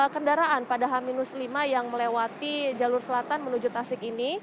kendaraan pada h lima yang melewati jalur selatan menuju tasik ini